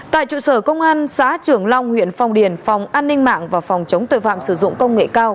tại trụ sở công an xã trưởng long huyện phong điền phòng an ninh mạng và phòng chống tội phạm sử dụng công nghệ cao